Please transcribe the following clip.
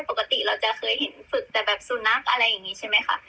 ปกติเราจะเคยเห็นฝึกแต่แบบสุนัขอะไรอย่างนี้ใช่ไหมคะ